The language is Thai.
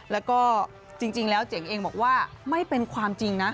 แล้วก็จริงแล้วเจ๋งเองบอกว่าไม่เป็นความจริงนะ